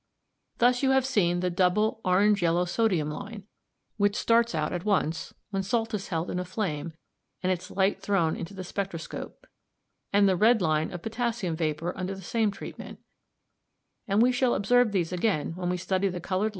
Thus you have seen the double, orange yellow sodium line (3, Plate I.) which starts out at once when salt is held in a flame and its light thrown into the spectroscope, and the red line of potassium vapour under the same treatment; and we shall observe these again when we study the coloured lights of the sun and stars."